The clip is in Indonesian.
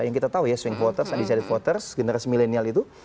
yang kita tahu ya swing voters undecided voters generasi milenial itu